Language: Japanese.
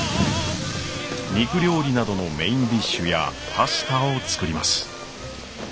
肉料理などのメインディッシュやパスタを作ります。